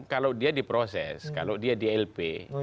kalau dia diproses kalau dia dlp